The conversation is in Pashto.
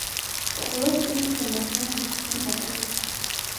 لوستې میندې د ماشومانو د پاک ژوند ملاتړ کوي.